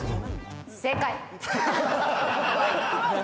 正解。